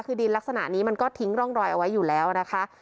คือดินลักษณะนี้มันก็ทิ้งร่องรอยเอาไว้อยู่แล้วนะคะ